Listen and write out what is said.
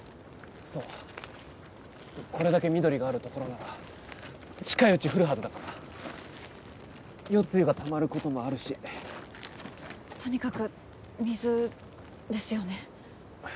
そうこれだけ緑があるところなら近いうち降るはずだから夜露がたまることもあるしとにかく水ですよね？